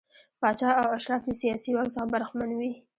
پاچا او اشراف له سیاسي واک څخه برخمن وي.